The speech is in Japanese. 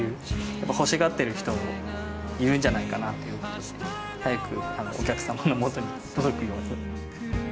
やっぱ欲しがってる人はいるんじゃないかなっていうことで早くお客様の元に届くように。